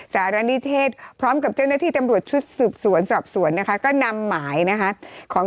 สารณิเทศพร้อมกับเจ้าหน้าที่ตำรวจชุดสืบสวนสอบสวนนะคะก็นำหมายนะคะของ